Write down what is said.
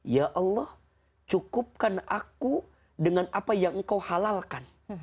ya allah cukupkan aku dengan apa yang engkau halalkan